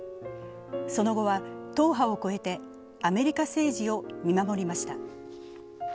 その後は、党派を越えてアメリカ政治を見守りました。